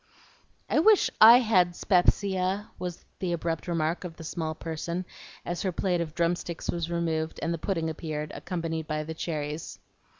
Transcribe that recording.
"I wish I had 'spepsia," was the abrupt remark of the small person as her plate of drum sticks was removed and the pudding appeared, accompanied by the cherries.